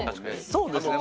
そうですね。